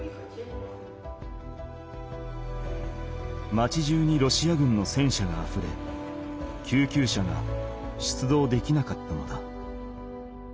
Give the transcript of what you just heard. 町じゅうにロシア軍の戦車があふれ救急車が出動できなかったのだ。